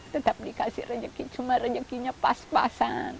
tetap dikasih rezeki cuma rezekinya pas pasan